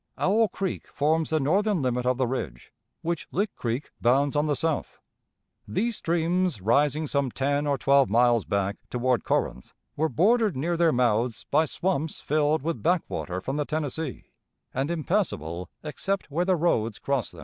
Owl Creek forms the northern limit of the ridge, which Lick Creek bounds on the south. These streams, rising some ten or twelve miles back, toward Corinth, were bordered near their mouths by swamps filled with backwater from the Tennessee, and impassable except where the roads crossed them.